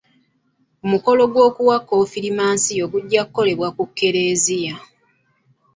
Omukolo gw'okuwa konfirimansiyo gujja kukolebwa ku kereziya.